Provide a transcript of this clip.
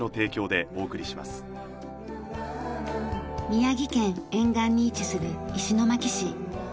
宮城県沿岸に位置する石巻市。